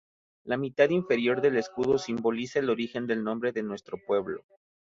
La mitad inferior del escudo simboliza el origen del nombre de nuestro pueblo.